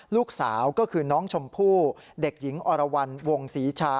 ลูกสาวก็คือน้องชมพู่เด็กหญิงอรวรรณวงศรีชา